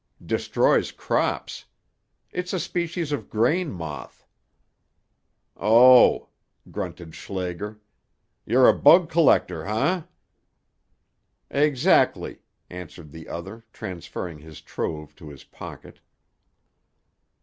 "Destroys crops. It's a species of grain moth." "Oh!" grunted Schlager. "You're a bug collector, eh?" "Exactly," answered the other, transferring his trove to his pocket.